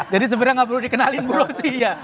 jadi sebenernya gak perlu dikenalin bro sih ya